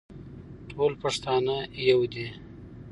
ټول پښتانه يو دي.